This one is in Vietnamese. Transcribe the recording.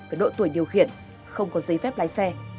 về độ tuổi điều khiển không có giấy phép lái xe